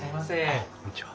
あっこんにちは。